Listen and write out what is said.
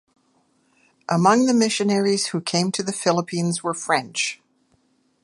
Among the missionaries who came to the Philippines were Fr.